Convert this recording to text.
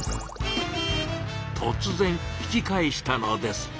とつ然引き返したのです。